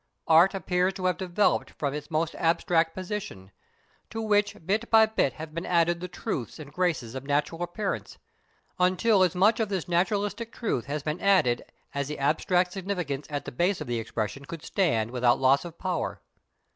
Art appears to have developed from its most abstract position, to which bit by bit have been added the truths and graces of natural appearance, until as much of this naturalistic truth has been added as the abstract significance at the base of the expression could stand without loss of power.